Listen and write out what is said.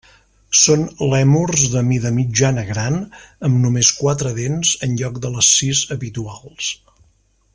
Són lèmurs de mida mitjana-gran, amb només quatre dents en lloc de les sis habituals.